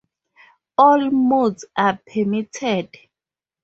All modes are permitted.